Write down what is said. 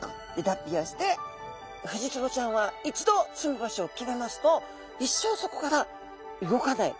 フジツボちゃんは一度住む場所を決めますと一生そこから動かない。